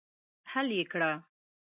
حل یې کړه.